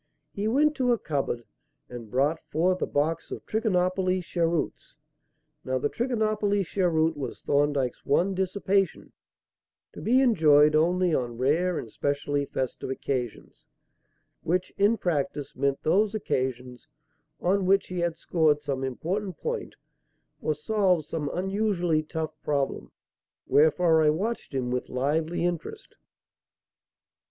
He went to a cupboard and brought forth a box of Trichinopoly cheroots. Now the Trichinopoly cheroot was Thorndyke's one dissipation, to be enjoyed only on rare and specially festive occasions; which, in practice, meant those occasions on which he had scored some important point or solved some unusually tough problem. Wherefore I watched him with lively interest.